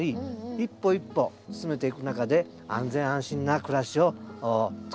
一歩一歩進めていく中で安全安心な暮らしを作っていきましょう。